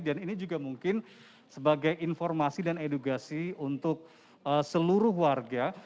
dan ini juga mungkin sebagai informasi dan edukasi untuk seluruh warga